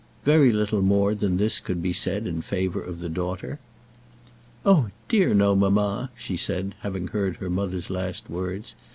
Very little more than this could be said in favour of her daughter. "Oh dear, no, mamma," she said, having heard her mother's last words.